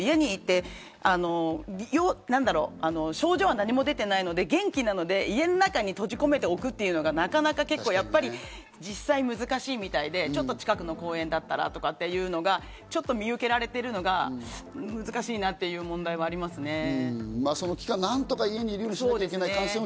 症状は何も出ていないので、元気なので、家の中に閉じ込めておくというのがなかなか、やっぱり実際、難しいみたいで、ちょっと近くの公園だったらとかいうのが見受けられているのが難しいなという問題もありますね。